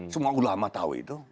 semua ulama tahu itu